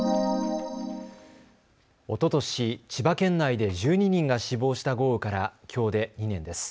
おととし千葉県内で１２人が死亡した豪雨からきょうで２年です。